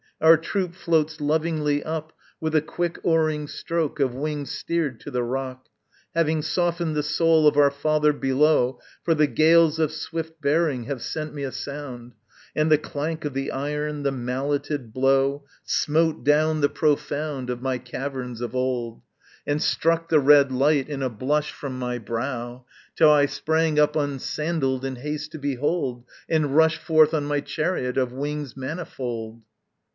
our troop Floats lovingly up With a quick oaring stroke Of wings steered to the rock, Having softened the soul of our father below. For the gales of swift bearing have sent me a sound, And the clank of the iron, the malleted blow, Smote down the profound Of my caverns of old, And struck the red light in a blush from my brow, Till I sprang up unsandaled, in haste to behold, And rushed forth on my chariot of wings manifold.